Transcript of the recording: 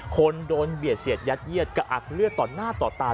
คนโดนเบียดเสียดยัดเยียดกระอักเลือดต่อหน้าต่อตา